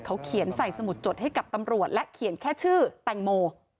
เขาเขียนใส่สมุดจดให้กับตำรวจและเขียนแค่ชื่อแตงโม